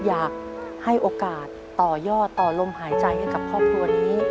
อยากให้โอกาสต่อยอดต่อลมหายใจให้กับครอบครัวนี้